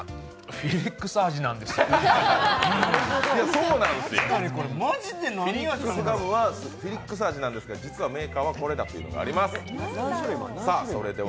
フィリックスガムはフィリックス味なんですが、実はメーカーはこれだというのがあります。